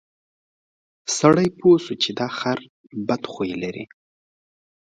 سړي پوه شو چې دا خر بد خوی لري.